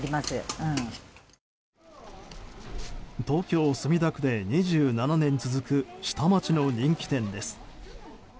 東京・墨田区で２７年続く下町の人気店です。